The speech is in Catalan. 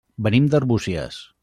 Venim d'Arbúcies.